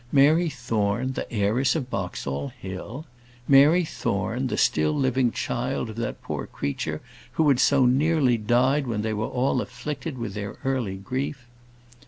Mary Thorne, the heiress of Boxall Hill! Mary Thorne, the still living child of that poor creature who had so nearly died when they were all afflicted with their early grief!